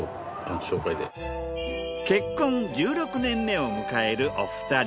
結婚１６年目を迎えるお二人。